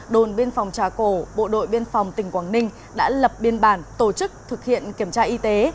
đồn biên phòng trà cổ bộ đội biên phòng tỉnh quảng ninh đã lập biên bản tổ chức thực hiện kiểm tra y tế